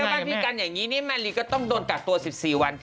บ้านพี่กันอย่างนี้นี่แม่ลีก็ต้องโดนกักตัว๑๔วัน